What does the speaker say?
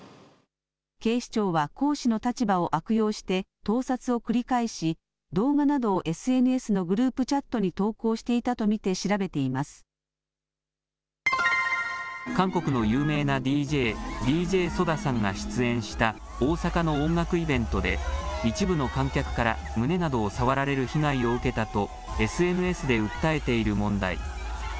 警視庁は講師の立場を悪用して、盗撮を繰り返し、動画などをＳＮＳのグループチャットに投稿していたと見て調べて韓国の有名なＤＪ、ＤＪＳＯＤＡさんが出演した大阪の音楽イベントで、一部の観客から胸などを触られる被害を受けたと、ＳＮＳで訴えている問題。